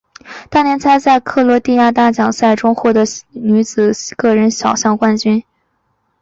当年她在克罗地亚的大奖赛中夺得女子个人小项的冠军。